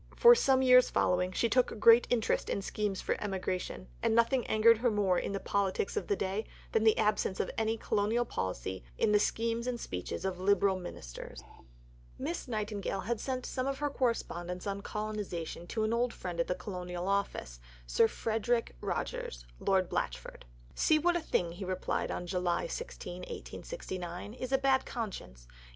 For some years following, she took great interest in schemes for emigration, and nothing angered her more in the politics of the day than the absence of any Colonial Policy in the schemes and speeches of Liberal Ministers. See below, p. 196. Miss Nightingale had sent some of her correspondence on colonization to an old friend at the Colonial Office Sir Frederick Rogers (Lord Blachford). "See what a thing," he replied (July 26, 1869), "is a bad conscience!